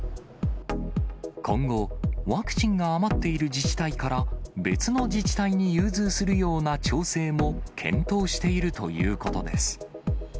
今後、ワクチンが余っている自治体から別の自治体に融通するような調整も検討しているということです。